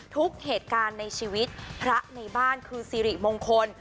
ทุกเหตุการณ์ในชีวิตพระในบ้านคือสิริมงคล